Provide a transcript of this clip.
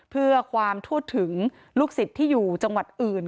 เพื่อความทั่วถึงลูกศิษย์ที่อยู่จังหวัดอื่น